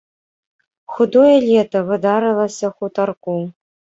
Худое лета выдарылася хутарку.